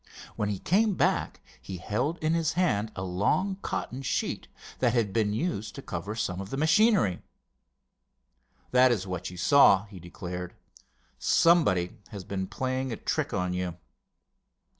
When he came back he held in his hand a long cotton sheet that had been used to cover some of the machinery. "That is what you saw," he declared. "Somebody has been playing a trick on you."